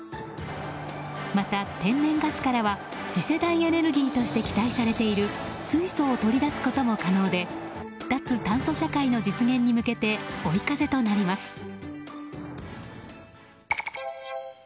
また、天然ガスからは次世代エネルギーとして期待されている水素を取り出すことも可能で脱炭素社会の実現に向けて追い風となります。